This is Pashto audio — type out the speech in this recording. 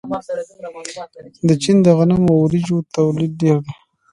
د چین د غنمو او وریجو تولید ډیر دی.